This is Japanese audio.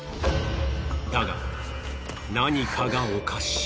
だが何かがおかしい。